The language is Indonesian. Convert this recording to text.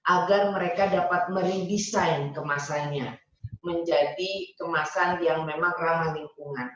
agar mereka dapat meredesain kemasannya menjadi kemasan yang memang ramah lingkungan